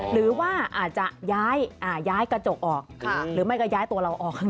หรือว่าอาจจะย้ายกระจกออกหรือไม่ก็ย้ายตัวเราออกข้าง